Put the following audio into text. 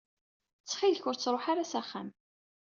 Ttxil-k, ur ttṛuḥu ara s axxam.